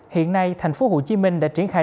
hiện nay thành phố hồ chí minh đã triển khai